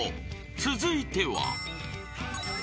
［続いては］